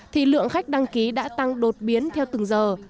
thì lượng khách đăng ký đã tăng đột biến theo từng giờ